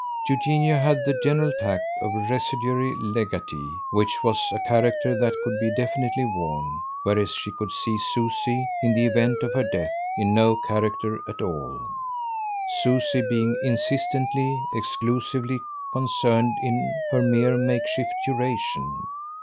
Eugenio had the general tact of a residuary legatee which was a character that could be definitely worn; whereas she could see Susie, in the event of her death, in no character at all, Susie being insistently, exclusively concerned in her mere makeshift duration.